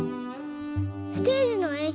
ステージのえん